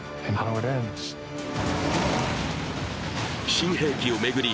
新兵器を巡り